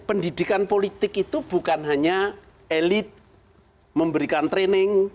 pendidikan politik itu bukan hanya elit memberikan training